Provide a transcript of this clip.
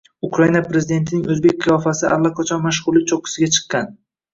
Ukraina prezidentining o'zbek qiyofasi allaqachon mashhurlik cho'qqisiga chiqqan